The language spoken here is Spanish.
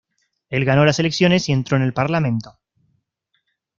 Él ganó las elecciones y entró en el Parlamento.